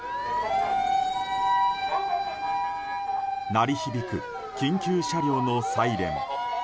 鳴り響く緊急車両のサイレン。